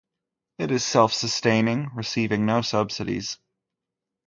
It is self-sustaining, receiving no subsidies.